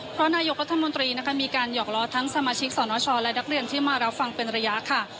เพราะนายกรัฐมนตรีนะคะมีการหอกล้อทั้งสมาชิกสนชและนักเรียนที่มารับฟังเป็นระยะค่ะ